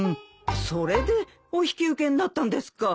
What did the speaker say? それでお引き受けになったんですか？